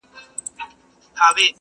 o چي غمی یې وړﺉ نه را معلومېږي,